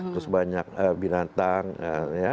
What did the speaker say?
terus banyak binatang ya